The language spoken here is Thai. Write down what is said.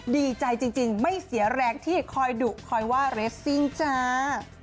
ดีใจจริงไม่เสียแรงที่คอยดุคอยว่าเรสซิ่งจ้า